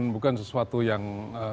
bukan sesuatu yang